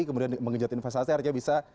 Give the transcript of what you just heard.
kemudian mengenjut investasi harga bisa